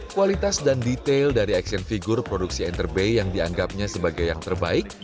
kualitas dan detail dari action figure produksi enter bay yang dianggapnya sebagai yang terbaik